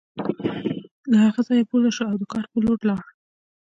هغه له ځایه پورته شو او د کار په لور لاړ